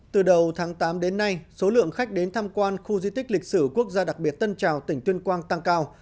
từ đầu tháng tám đến nay số lượng khách đến tham quan khu di tích lịch sử quốc gia đặc biệt tân trào tỉnh tuyên quang tăng cao